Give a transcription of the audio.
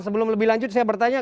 sebelum lebih lanjut saya bertanya